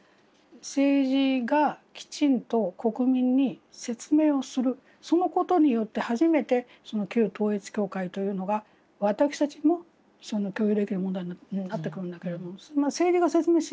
政治がきちんと国民に説明をするそのことによって初めて旧統一教会というのが私たちにも共有できる問題になってくるんだけれども政治が説明をしない。